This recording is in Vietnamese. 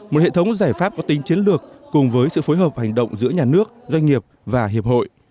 một hệ thống giải pháp có tính chiến lược cùng với sự phối hợp hành động giữa nhà nước doanh nghiệp và hiệp hội